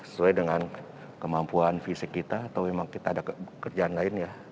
sesuai dengan kemampuan fisik kita atau memang kita ada kerjaan lain ya